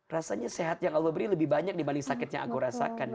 rasanya sehat yang allah beri lebih banyak dibanding sakit yang aku rasakan